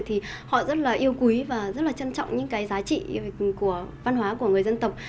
thì họ rất là yêu quý và rất là trân trọng những cái giá trị của văn hóa của người dân tộc